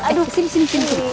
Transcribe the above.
aduh sini sini sini